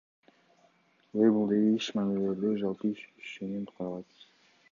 Лейблдеги иш мамилелери жалпы ишенимден куралат.